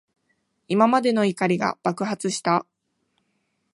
今までの怒りが爆発した。